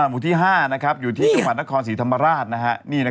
หมู่ที่๕อยู่ที่จังหวัดนครศรีธรรมราช